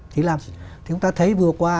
thì chúng ta thấy vừa qua